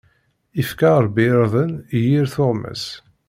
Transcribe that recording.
Ifka Ṛebbi irden i yir tuɣmas.